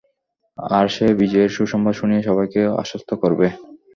আর সে বিজয়ের সুসংবাদ শুনিয়ে সবাইকে আশ্বস্ত করবে।